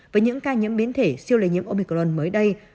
với những ca nhiễm biến thể siêu lây nhiễm omicron mới đây